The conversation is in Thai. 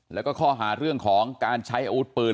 แล้วก็ข้อหาเรื่องของการใช้อาวุธปืน